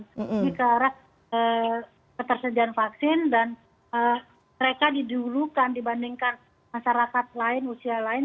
ini ke arah ketersediaan vaksin dan mereka didulukan dibandingkan masyarakat lain usia lain